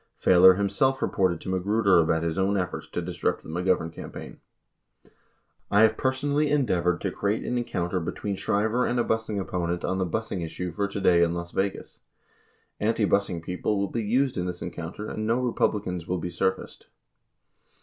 48 Failor himself reported to Magruder about his own efforts to disrupt the McGovern campaign :I have personally endeavored to create an encounter between Shriver and a busing opponent on the busing issue for today in Las Vegas. Antibusing people will be used in this encounter and no Republicans will be surfaced.